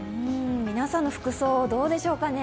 皆さんの服装どうでしょうかね。